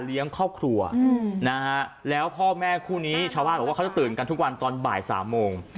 อีกวันตอนบ่าย๓ม่วง